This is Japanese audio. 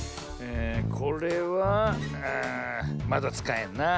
えこれはああまだつかえんなあ。